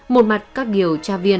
một mặt các điều tra viên